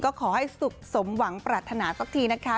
ก็ขอให้สุขสมหวังปรารถนาสักทีนะคะ